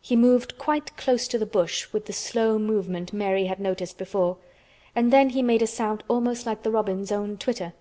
He moved quite close to the bush with the slow movement Mary had noticed before, and then he made a sound almost like the robin's own twitter.